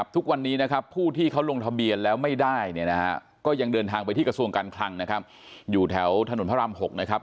ทุกวันนี้ผู้ที่เขาลงทะเบียนแล้วไม่ได้ก็ยังเดินทางไปที่กระทรวงการคลังอยู่แถวถนนพระราม๖